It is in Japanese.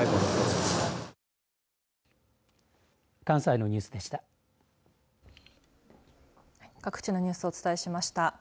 関西のニュースでした。